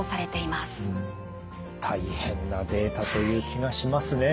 大変なデータという気がしますね。